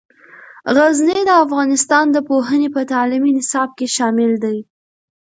غزني د افغانستان د پوهنې په تعلیمي نصاب کې شامل دی.